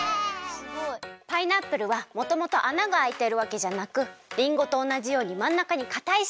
パイナップルはもともと穴があいているわけじゃなくりんごとおなじようにまんなかにかたいしんがあるの。